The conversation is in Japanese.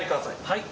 はい。